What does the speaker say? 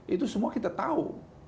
itu semua kita tahu